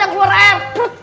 yang keluar air